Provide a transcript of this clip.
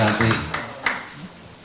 sambil kita menunggu nanti